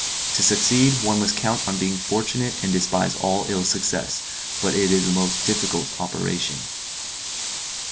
To succeed one must count on being fortunate and despise all ill success, but it is a most difficult operation.